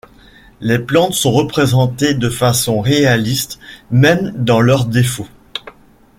Les plantes sont représentées de façon réaliste, même dans leurs défauts.